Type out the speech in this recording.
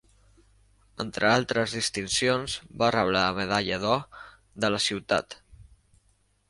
Entre altres distincions, va rebre la Medalla d'Or de la Ciutat.